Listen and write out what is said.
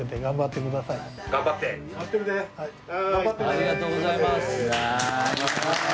ありがとうございます！